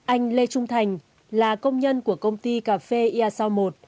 anh lê trung thành là công nhân của công ty cà phê ia sao một